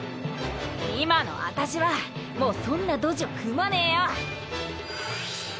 今のアタシはもうそんなドジは踏まねえよ！